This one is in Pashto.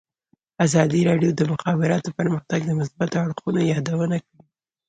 ازادي راډیو د د مخابراتو پرمختګ د مثبتو اړخونو یادونه کړې.